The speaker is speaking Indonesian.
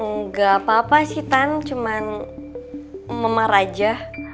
gak apa apa sih tan cuman memar aja